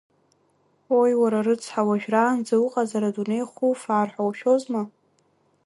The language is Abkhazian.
Ои, уара рыцҳа уажәраанӡа уҟазар, адунеи хуфаар ҳәа ушәозма?